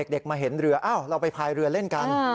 เด็กมาเห็นเรืออ้าวเราไปพายเรือเล่นกัน